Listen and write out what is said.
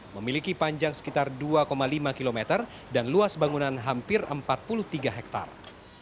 memiliki panjang sekitar dua lima km dan luas bangunan hampir empat puluh tiga hektare